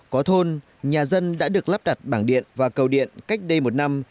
có thôn nhà dân đã được lắp đặt bảng điện và cầu điện cách đây một năm